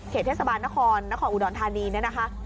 เทศบาลนครนครอุดรธานีเนี่ยนะคะ